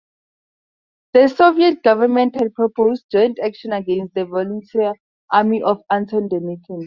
The Soviet government had proposed joint action against the Volunteer Army of Anton Denikin.